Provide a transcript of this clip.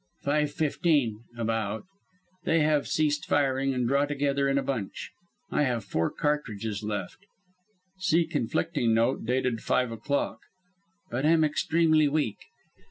"Five fifteen about. They have ceased firing, and draw together in a bunch. I have four cartridges left" [see conflicting note dated five o'clock], "but am extremely weak.